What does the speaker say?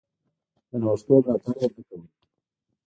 د نوښتونو ملاتړ یې نه کاوه.